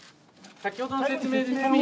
先ほどの説明で。